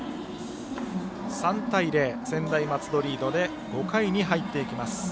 ３対０、専大松戸がリードで５回に入っていきます。